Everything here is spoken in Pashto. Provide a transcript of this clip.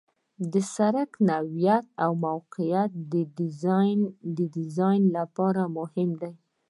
د سرک نوعیت او موقعیت د ډیزاین لپاره مهم دي